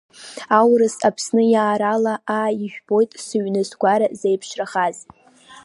Аурыс Аԥсны иаарала, аа, ижәбоит сыҩны-сгәара зеиԥшрахаз.